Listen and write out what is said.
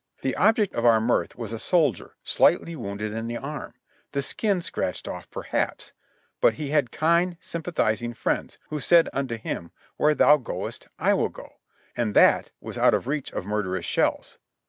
The object of our mirth was a soldier slightly wounded in the arm — the skin scratched off, perhaps; but he had kind, sympa thizing friends, who said unto him, "where thou goest, I will go," and that was out of the reach of murderous shells.